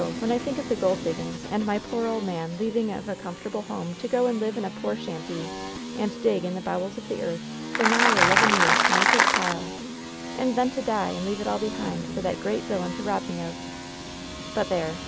when I think of the gold diggings, and my poor ole man leaving of a comfortable home to go and live in a poor shanty, and dig in the bowels of the earth for nigh eleven years to make his pile, and then to die and leave it all behind for that grand vilyan to rob me of But there